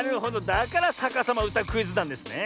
だから「さかさまうたクイズ」なんですね。